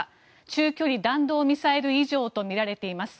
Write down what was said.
中距離弾道ミサイル以上とみられています。